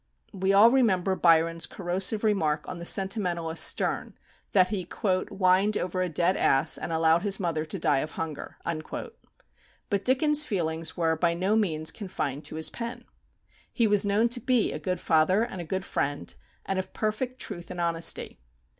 We all remember Byron's corrosive remark on the sentimentalist Sterne, that he "whined over a dead ass, and allowed his mother to die of hunger." But Dickens' feelings were by no means confined to his pen. He was known to be a good father and a good friend, and of perfect truth and honesty.